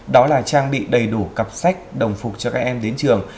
đó là trang bị đầy đủ cặp sách đồng phục cho các em đến trường